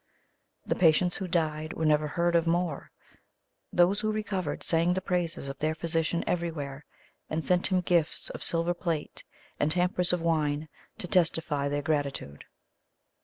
The patients who died were never heard of more those who recovered sang the praises of their physician everywhere, and sent him gifts of silver plate and hampers of wine, to testify their gratitude.